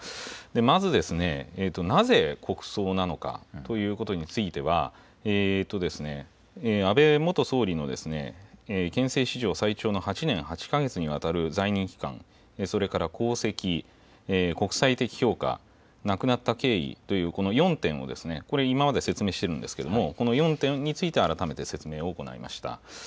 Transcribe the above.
まずなぜ、国葬なのかということについては、安倍元総理の憲政史上最長の８年８か月にわたる在任期間、それから功績、国際的評価、亡くなった経緯という、この４点を、これ今まで説明してるんですけれども、この４点について、改めて説明を行いました。